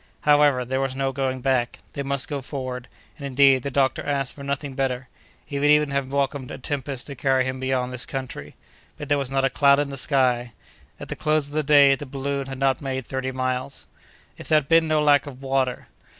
However, there was no going back; they must go forward; and, indeed, the doctor asked for nothing better; he would even have welcomed a tempest to carry him beyond this country. But, there was not a cloud in the sky. At the close of the day, the balloon had not made thirty miles. If there had been no lack of water!